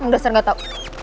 dasar gak tau